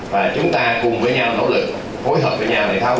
và chúng ta cùng với nhau nỗ lực phối hợp với nhau để tháo gỡ